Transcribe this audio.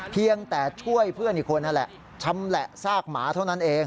เพียงแต่ช่วยเพื่อนอีกคนนั่นแหละชำแหละซากหมาเท่านั้นเอง